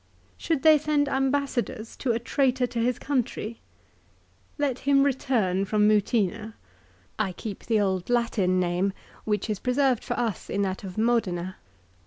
" Should they send ambassadors to a traitor to his country ?"" Let him return from Mutina." I keep the old Latin name, which is preserved for us in that of Modena.